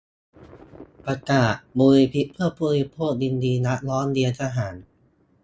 ประกาศ มูลนิธิเพื่อผู้บริโภค ยินดีรับร้องเรียนทหาร